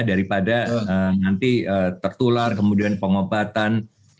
daripada nanti tertular kemudian pengobatan